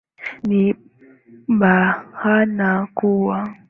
ni bayana kuwa